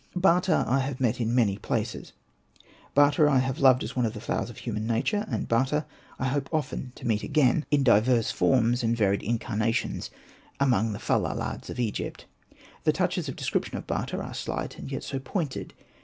Bata I have met in many places, Bata I have loved as one of the flowers of human nature, and Bata I hope often to meet again in divers Hosted by Google REMARKS 69 forms and varied incarnations among the fellah lads of Egypt. The touches of description of Bata are sHght, and yet so pointed.